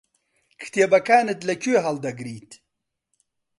کتێبەکانت لەکوێ هەڵدەگریت؟